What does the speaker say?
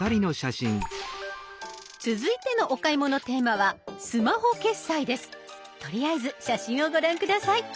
続いてのお買い物テーマはとりあえず写真をご覧下さい。